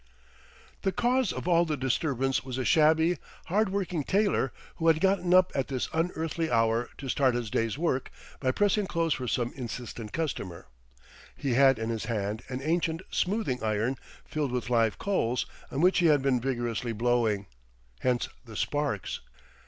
" The cause of all the disturbance was a shabby, hard working tailor who had gotten up at this unearthly hour to start his day's work by pressing clothes for some insistent customer. He had in his hand an ancient smoothing iron filled with live coals, on which he had been vigorously blowing. Hence the sparks!